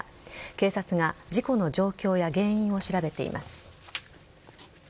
警察が事故の状況や原因を調べています。